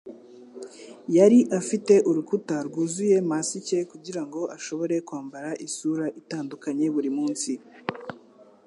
Yari afite urukuta rwuzuye masike kugirango ashobore kwambara isura itandukanye buri munsi.